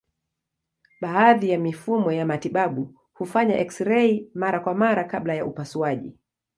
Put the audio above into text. Baadhi ya mifumo ya matibabu hufanya eksirei mara kwa mara kabla ya upasuaji.